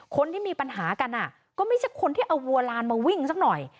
คนที่มีปัญหากันก็ไม่ใช่คนที่เอาวัวลานมาวิ่งสักหน่อย